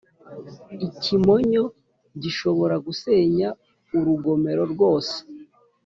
ikimonyo gishobora gusenya urugomero rwose